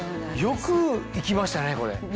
よく行きましたねこれ。